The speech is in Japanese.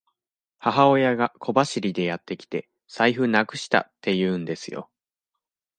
母親が小走りでやってきて、財布なくしたって言うんですよ。